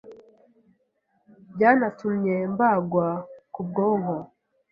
byanatumye mbagwa ku bwonko